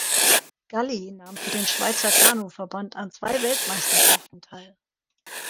Galli nahm für den Schweizer Kanuverband an zwei Weltmeisterschaften teil.